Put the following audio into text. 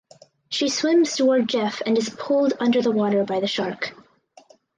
She swims towards Jeff and is pulled under the water by the shark.